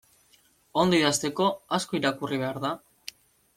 Ondo idazteko, asko irakurri behar da?